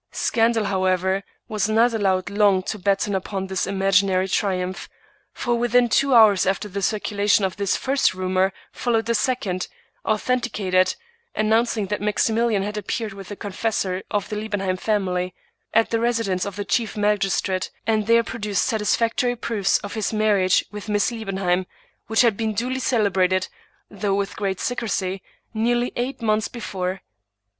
Scandal, however, was not allowed long to batten upon this imaginary triumph, for within two hours after the circulation of this first rumor, followed a second,, authenticated, announcing that Maximilian had appeared with the confessor of the Liebenheim family, at the resi dence of the chief magistrate, and there produced satis factory proofs of his marriage with Miss Liebenheim, which had been duly celebrated, though with great secrecy, nearly eight months before.